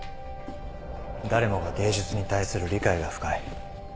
誰もが芸術に対する理解が深い。